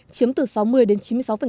chiếm từ sáu mươi đến chín mươi sáu